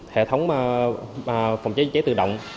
hệ thống phòng cháy dưới cháy tự động